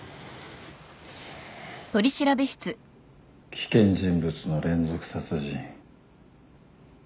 危険人物の連続殺人。